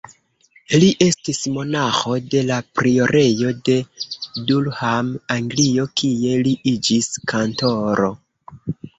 Li estis monaĥo de la priorejo de Durham, Anglio, kie li iĝis kantoro.